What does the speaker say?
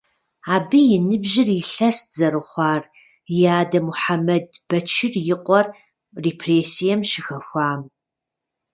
Абы и ныбжьыр илъэст зэрыхъуар и адэ Мухьэмэд Бэчыр и къуэр репрессием щыхэхуам.